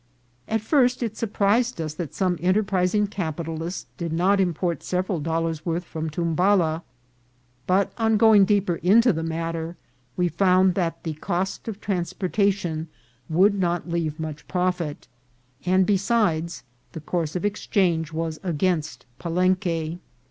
At first it surprised us that some enter prising capitalist did not import several dollars' worth from Tumbala ; but on going deeper into the matter we found that the cost of transportation would not leave much profit, and, besides, the course of exchange was against Palenque.